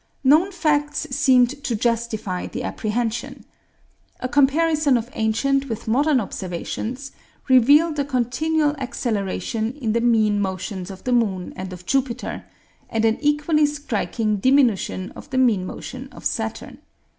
Known facts seemed to justify the apprehension. A comparison of ancient with modern observations revealed a continual acceleration in the mean motions of the moon and of Jupiter, and an equally striking diminution of the mean motion of Saturn.